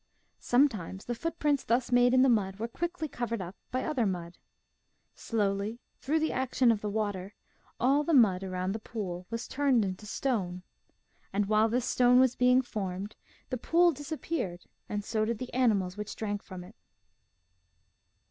Sometimes the footprints thus made in the mud were quickly covered up by other mud. Slowly, through the action of the water, all the mud around the pool was turned into stone. And while this stone was being formed the pool disappeared and so did the animals which drank from it.